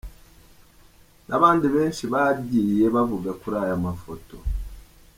n’abandi benshi bagiye bavuga kuri aya mafoto.